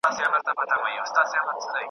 له چا ټوله نړۍ پاته له چا یو قلم پاتیږي .